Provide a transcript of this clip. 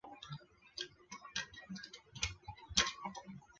唐玹带着郡督邮将赵岐等没逃走的身高三尺以上的赵氏宗族全部杀死。